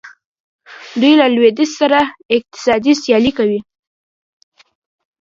دوی له لویدیځ سره اقتصادي سیالي کوي.